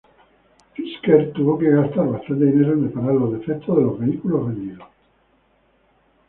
Fisker tuvo que gastar bastante dinero en reparar los defectos de los vehículos vendidos.